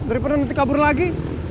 daripada nanti kabur lagi